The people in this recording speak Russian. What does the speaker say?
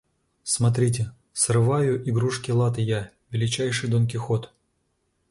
Смотрите — срываю игрушки-латы я, величайший Дон-Кихот!